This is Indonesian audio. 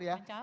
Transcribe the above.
main catur ya